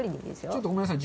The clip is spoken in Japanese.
ちょっとごめんなさい。